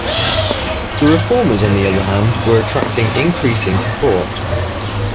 The reformers, on the other hand, were attracting increasing support.